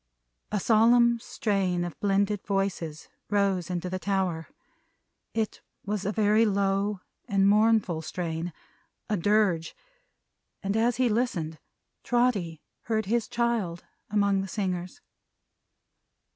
A solemn strain of blended voices rose into the tower. It was a very low and mournful strain a Dirge and as he listened, Trotty heard his child among the singers.